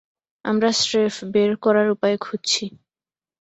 আমরা স্রেফ বের করার উপায় খুঁজছি।